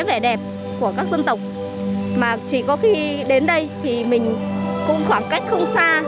vẻ đẹp của các dân tộc mà chỉ có khi đến đây thì mình cũng khoảng cách không xa